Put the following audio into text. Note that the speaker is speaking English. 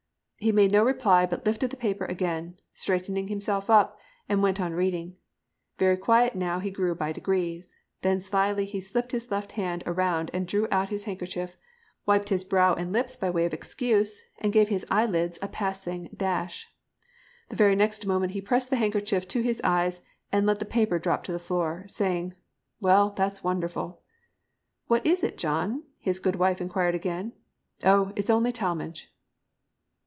"He made no reply, but lifted the paper again, straightened himself up, and went on reading. Very quiet he now grew by degrees. Then slyly he slipped his left hand around and drew out his handkerchief, wiped his brow and lips by way of excuse and gave his eyelids a passing dash. The very next moment he pressed the handkerchief to his eyes and let the paper drop to the floor, saying, 'Well, that's wonderful.' 'What is it, John?' his good wife inquired again. 'Oh! It's only Talmage!'"